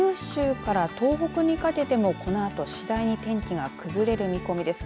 また、九州から東北にかけてもこのあと次第に天気が崩れる見込みです。